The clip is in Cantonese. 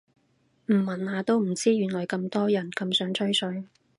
唔問下都唔知原來咁多人咁想吹水